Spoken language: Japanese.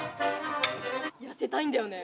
痩せたいんだよね。